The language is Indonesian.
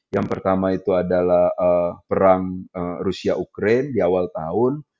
yang pertama itu adalah perang rusia ukraine di awal tahun